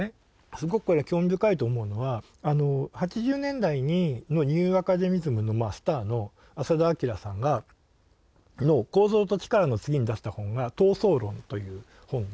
すごくこれは興味深いと思うのは８０年代のニューアカデミズムのスターの浅田彰さんの「構造と力」の次に出した本が「逃走論」という本で。